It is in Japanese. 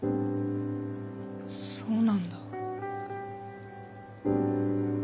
そうなんだ。